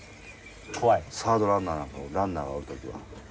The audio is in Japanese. サードランナーなんかランナーおる時は。